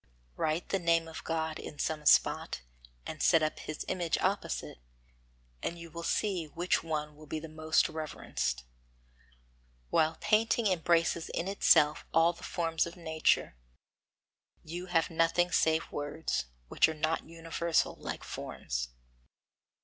Write the name of God in some spot, and set up His image opposite, and you will see which will be the most reverenced. While painting embraces in itself all the forms of nature, you have nothing save words, which are not universal, like forms.